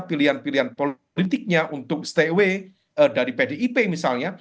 pilihan pilihan politiknya untuk stay away dari pdip misalnya